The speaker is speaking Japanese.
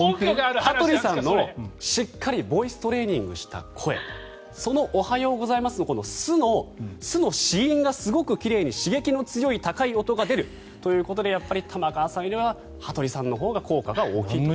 羽鳥さんの、しっかりボイストレーニングした声そのおはようございますの「す」の子音がすごく奇麗に刺激の強い高い音が出るということでやっぱり玉川さんよりは羽鳥さんのほうが効果が大きいと。